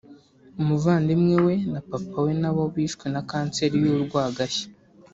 umuvandimwe we na papa we nabo bishwe na Kanseri y’ urwagashya